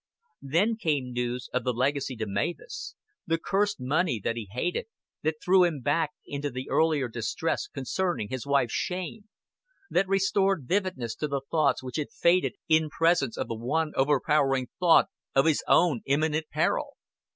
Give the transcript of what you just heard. Then came news of the legacy to Mavis the cursed money that he hated, that threw him back into the earlier distress concerning his wife's shame, that restored vividness to the thoughts which had faded in presence of the one overpowering thought of his own imminent peril.